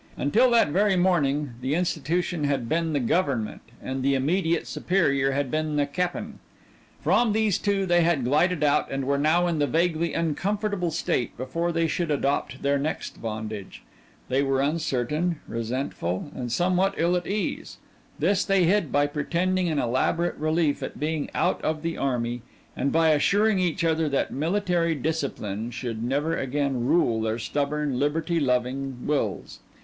Until that very morning the institution had been the "government" and the immediate superior had been the "Cap'n" from these two they had glided out and were now in the vaguely uncomfortable state before they should adopt their next bondage. They were uncertain, resentful, and somewhat ill at ease. This they hid by pretending an elaborate relief at being out of the army, and by assuring each other that military discipline should never again rule their stubborn, liberty loving wills.